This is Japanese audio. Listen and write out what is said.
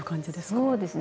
そうですね。